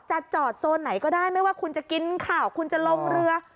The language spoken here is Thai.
จะจอดโซนไหนก็ได้ไม่ว่าคุณจะกินข่าวคุณจะลงเรือ